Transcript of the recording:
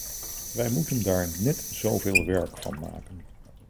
Wij moeten daar net zoveel werk van maken.